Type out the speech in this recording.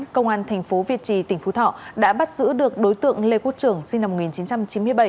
công an thành phố việt trì tỉnh phú thọ đã bắt giữ được đối tượng lê quốc trưởng sinh năm một nghìn chín trăm chín mươi bảy